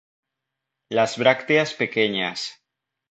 Las brácteas pequeñas.